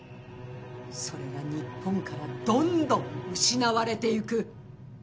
それが日本からどんどん失われていく。